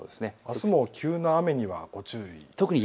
あすも急な雨にはご注意ですね。